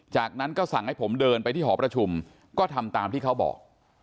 จากนั้นก็สั่งให้ผมเดินไปที่หอประชุมก็ทำตามที่เขาบอก